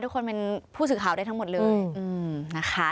ทุกคนเป็นผู้สื่อข่าวได้ทั้งหมดเลย